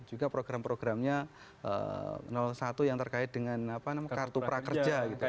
juga program programnya satu yang terkait dengan apa namanya kartu prakerja gitu